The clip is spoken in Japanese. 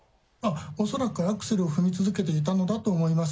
恐らくアクセルを踏み続けていたのだと思います。